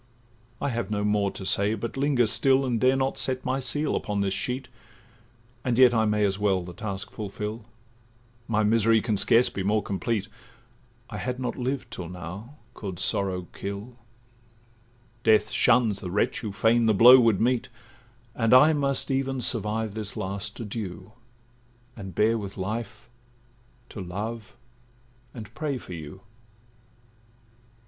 'I have no more to say, but linger still, And dare not set my seal upon this sheet, And yet I may as well the task fulfil, My misery can scarce be more complete: I had not lived till now, could sorrow kill; Death shuns the wretch who fain the blow would meet, And I must even survive this last adieu, And bear with life, to love and pray for you!